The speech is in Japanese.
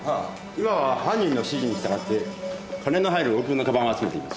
今は犯人の指示に従って金の入る大きめの鞄を集めています。